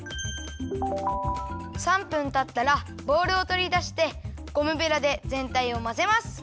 ３分たったらボウルをとりだしてゴムベラでぜんたいをまぜます！